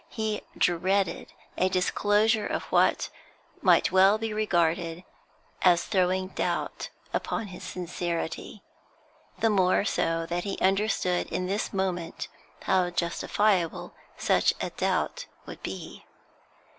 He dreaded a disclosure of what might well be regarded as throwing doubt upon his sincerity, the more so that he understood in this moment how justifiable such a doubt would be.